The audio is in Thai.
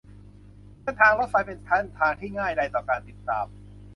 เส้นทางรถไฟเป็นเส้นทางที่ง่ายดายต่อการติดตาม